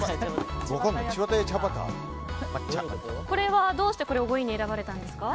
これはどうして５位に選ばれたんですか？